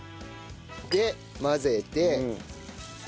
で混ぜて。